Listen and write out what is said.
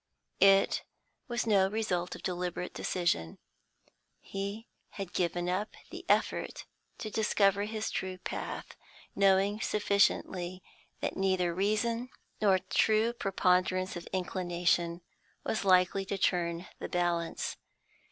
It was no result of deliberate decision, he had given up the effort to discover his true path, knowing sufficiently that neither reason nor true preponderance of inclination was likely to turn the balance.